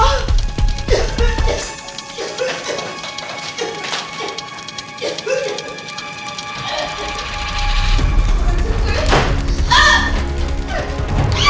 apa yang terjadi